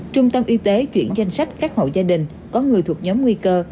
trung tâm y tế chuyển danh sách các hộ gia đình có người thuộc nhóm nguy cơ